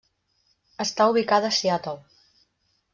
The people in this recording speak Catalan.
Està ubicada a Seattle.